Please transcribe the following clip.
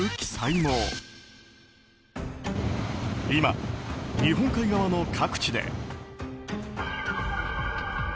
今、日本海側の各地で。